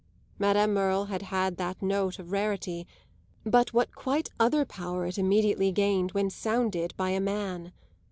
Madame Merle had had that note of rarity, but what quite other power it immediately gained when sounded by a man!